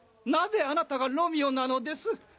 なぜあなたがロミオなのです？